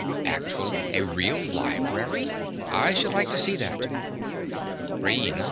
Actually a real library! I should like to see that. RAINA.